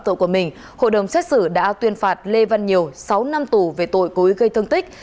tội của mình hội đồng xét xử đã tuyên phạt lê văn nhiều sáu năm tù về tội cố ý gây thương tích